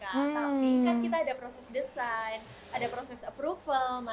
tapi kan kita ada proses desain ada proses approval